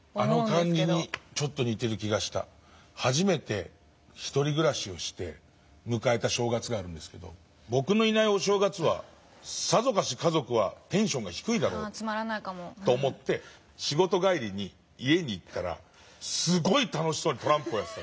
初めて１人暮らしをして迎えた正月があるんですけど僕のいないお正月はさぞかし家族はテンションが低いだろうと思って仕事帰りに家に行ったらすごい楽しそうにトランプをやってた。